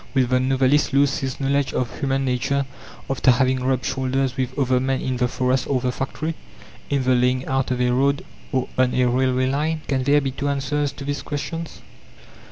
Will the novelist lose his knowledge of human nature after having rubbed shoulders with other men in the forest or the factory, in the laying out of a road or on a railway line? Can there be two answers to these questions?